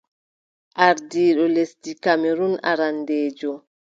Ardiiɗo lesdi Kamerun arandeejo.